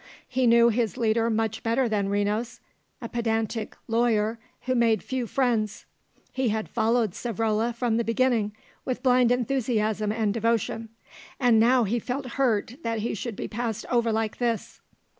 He knew his leader much better than Renos, a pedantic lawyer who made few friends: he had followed Savrola from the beginning with blind enthusiasm and devotion; and he now felt hurt that he should be passed over like this.